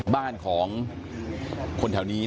บ้านของคนแถวนี้